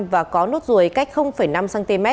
và có nốt ruồi cách năm cm